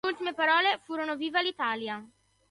Le sue ultime parole furono: "Viva l'Italia!